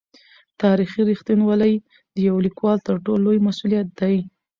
تاریخي رښتینولي د یو لیکوال تر ټولو لوی مسوولیت دی.